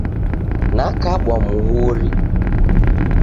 Nakabwa muhuri.